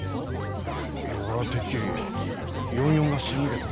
いや俺はてっきり４４が仕向けた偽者かと。